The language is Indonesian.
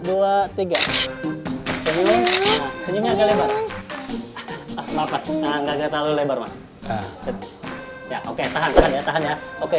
oke tahan ya tahan ya oke